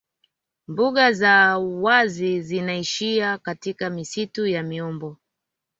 Mbuga za wazi zinaishia katika misitu ya miombo